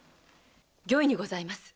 御意にございます。